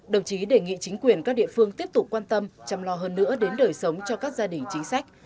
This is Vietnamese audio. đồng chí đề nghị chính quyền các địa phương tiếp tục quan tâm chăm lo hơn nữa đến đời sống cho các gia đình chính sách